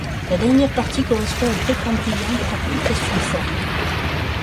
La dernière partie correspond au Précambrien, par pure question de forme.